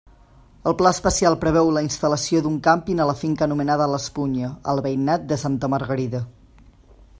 El Pla especial preveu la instal·lació d'un càmping a la finca anomenada l'Espunya, al veïnat de Santa Margarida.